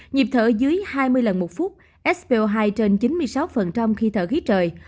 nhịp thở dưới hai mươi lần một phút sp hai trên chín mươi sáu khi thở khí trời